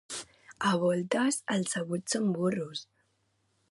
A voltes els sabuts són burros.